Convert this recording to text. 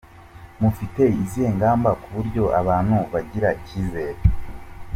Mufite izihe ngamba ku buryo abantu bagira ikizere?.